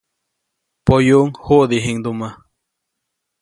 Poyuʼuŋ juʼdijiʼŋndumä.